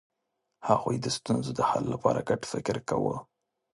هغوی د ستونزو د حل لپاره ګډ فکر کاوه.